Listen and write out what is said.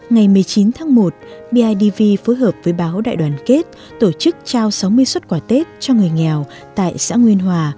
ngày một mươi chín tháng một bidv phối hợp với báo đại đoàn kết tổ chức trao sáu mươi xuất quà tết cho người nghèo tại xã nguyên hòa